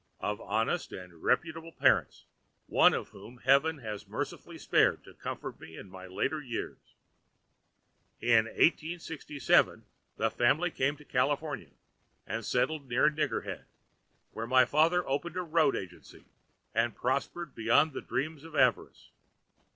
of honest and reputable parents, one of whom Heaven has mercifully spared to comfort me in my later years. In 1867 the family came to California and settled near Nigger Head, where my father opened a road agency and prospered beyond the dreams of avarice.